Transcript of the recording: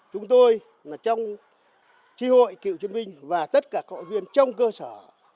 chúng tôi trong tri hội cựu chuyên binh và tất cả cội viên trong cơ sở